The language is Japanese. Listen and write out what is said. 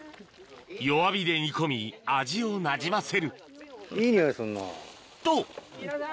弱火で煮込み味をなじませるいい匂いすんなぁ。